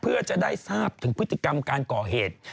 เพื่อจะได้ทราบถึงพฤติกรรมการก่อเหตุ